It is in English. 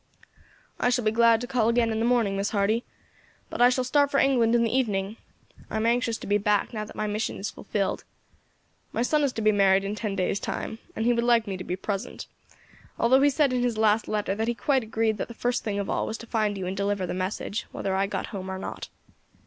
"I shall be glad to call again in the morning, Miss Hardy, but I shall start for England in the evening; I am anxious to be back now that my mission is fulfilled. My son is to be married in ten days' time, and he would like me to be present, although he said in his last letter that he quite agreed that the first thing of all was to find you and deliver the message, whether I got home or not.